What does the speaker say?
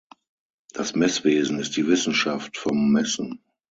Das Messwesen ist die Wissenschaft vom Messen.